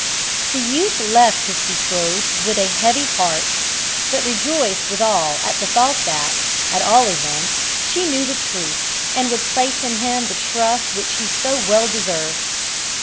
The youth left his betrothed with a heavy heart, but rejoiced withal at the thought that, at all events, she knew the truth, and would place in him the trust which he so well deserved.